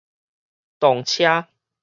動車